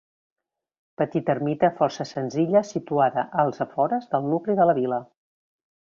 Petita ermita força senzilla situada als afores del nucli de la vila.